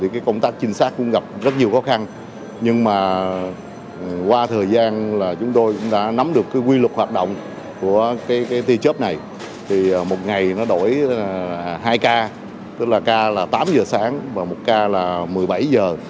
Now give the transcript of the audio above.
hai ca tức là ca là tám giờ sáng và một ca là một mươi bảy giờ